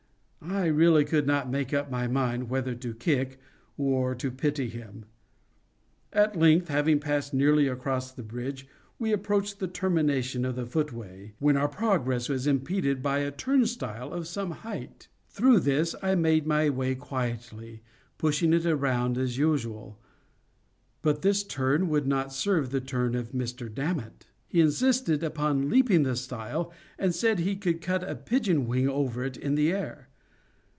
I really could not make up my mind whether to kick or to pity him. At length, having passed nearly across the bridge, we approached the termination of the footway, when our progress was impeded by a turnstile of some height. Through this I made my way quietly, pushing it around as usual. But this turn would not serve the turn of Mr. Dammit. He insisted upon leaping the stile, and said he could cut a pigeon wing over it in the air.